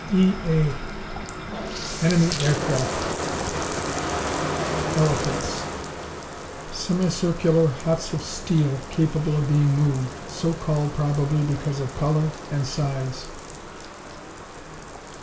E.A. Enemy Aircraft. Elephants Semi circular huts of steel, capable of being moved. So called, probably, because of color, and size.